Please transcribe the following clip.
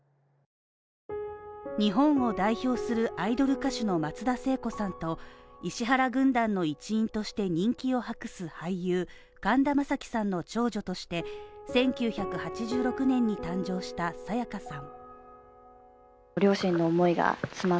日本を代表するアイドル歌手の松田聖子さんと石原軍団の一員として人気を博す俳優・神田正輝さんの長女として１９８６年に誕生した沙也加さん。